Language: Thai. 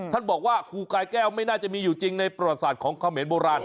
ท่านบอกว่าครูกายแก้วไม่น่าจะมีอยู่จริงในประวัติศาสตร์ของเขมรโบราณ